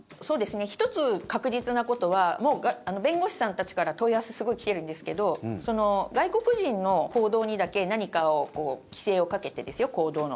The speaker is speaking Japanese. １つ確実なことは弁護士さんたちから、問い合わせすごい来ているんですけど外国人の報道にだけ何かを規制をかけて、行動の。